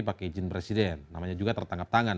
pakai izin presiden namanya juga tertangkap tangan